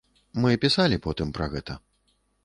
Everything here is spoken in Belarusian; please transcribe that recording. Мы пісалі потым пра гэта.